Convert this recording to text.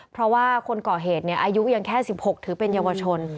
เพราะว่าคนก่อเหตุอายุยังแค่๑๖ถือเป็นเยาวชน